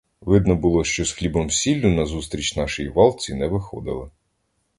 Видно було, що з хлібом-сіллю назустріч нашій валці не виходили.